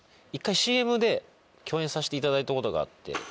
一回ＣＭで共演させていただいたことがあって。